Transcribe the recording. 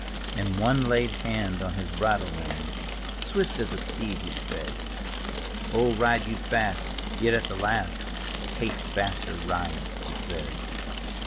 And one laid hand on his hridle rein — Swift as the steed he sped —" O, ride you fast, yet at the last, Hate faster rides," be said.